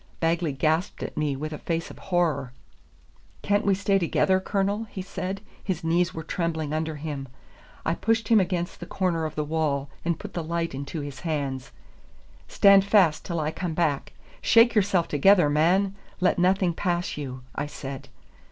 Bagley gasped at me with a face of horror. "Can't we stay together, Colonel?" he said; his knees were trembling under him. I pushed him against the corner of the wall, and put the light into his hands. "Stand fast till I come back; shake yourself together, man; let nothing pass you," I said.